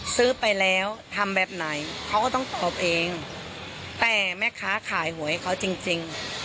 ซื้อไปแล้วทำแบบไหนเขาก็ต้องตอบเองแต่แม่ค้าขายหวยเขาจริงจริง